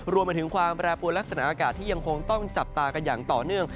รวมไปถึงความแปรปวนลักษณะอากาศที่ยังคงต้องจับตากันอย่างต่อเนื่อง